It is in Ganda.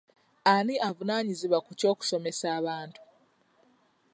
Ani avunaanyizibwa ku ky'okusomesa abantu?